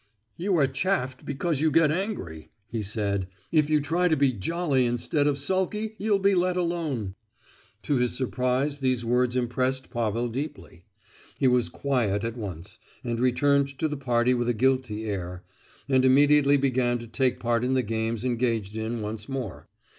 "You are chaffed because you get angry," he said; "if you try to be jolly instead of sulky you'll be let alone!" To his surprise these words impressed Pavel deeply; he was quiet at once, and returned to the party with a guilty air, and immediately began to take part in the games engaged in once more.